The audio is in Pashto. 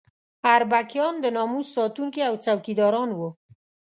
اربکیان د ناموس ساتونکي او څوکیداران وو.